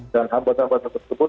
dan hambatan hambatan tersebut